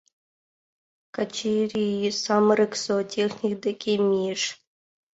— Качырий самырык зоотехник деке мийыш.